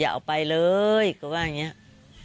เอาไปเลยก็ว่าอย่างนี้